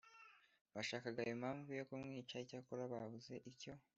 bashakaga impamvu yo kumwica icyakora babuze icyo